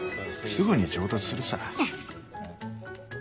すぐに上達するさ。